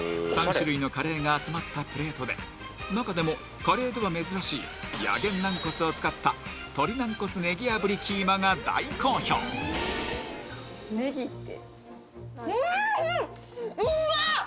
３種類のカレーが集まったプレートで中でもカレーでは珍しいヤゲン軟骨を使った鶏軟骨ネギ炙りキーマが大好評ネギってうん！